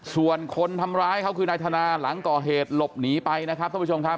ส่วนคนทำร้ายเขาคือนายธนาหลังก่อเหตุหลบหนีไปนะครับท่านผู้ชมครับ